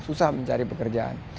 susah mencari pekerjaan